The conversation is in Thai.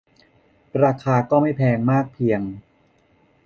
ราคาก็ไม่แพงมากเพียง